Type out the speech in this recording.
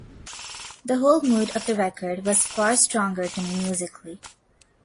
The whole mood of the record was far stronger to me musically.